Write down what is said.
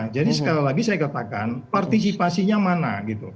jadi sekali lagi saya katakan partisipasinya mana